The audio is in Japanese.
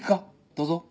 どうぞ。